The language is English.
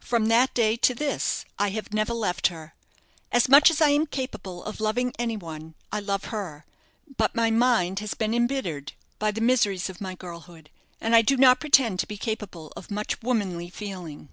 From that day to this, I have never left her. As much as I am capable of loving any one, I love her. But my mind has been embittered by the miseries of my girlhood, and I do not pretend to be capable of much womanly feeling."